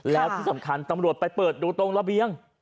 แล้วที่สำคัญตำรวจไปเปิดดูตรงระเบียง